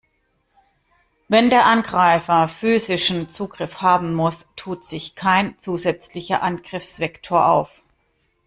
Wenn der Angreifer physischen Zugriff haben muss, tut sich kein zusätzlicher Angriffsvektor auf.